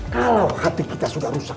kalau hati kita sudah rusak